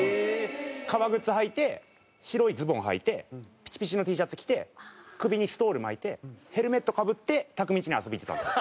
革靴履いて白いズボンはいてピチピチのＴシャツ着て首にストール巻いてヘルメットかぶってたくみんちに遊びに行ってたんですよ。